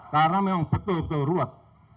karena memang betul betul ruat